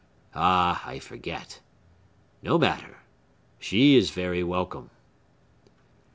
Ah, I forget! No matter. She is very welcome!"